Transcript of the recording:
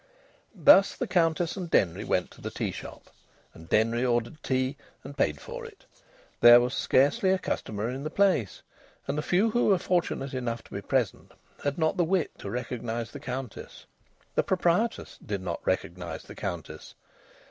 Thus the Countess and Denry went to the tea shop, and Denry ordered tea and paid for it. There was scarcely a customer in the place, and the few who were fortunate enough to be present had not the wit to recognise the Countess. The proprietress did not recognise the Countess.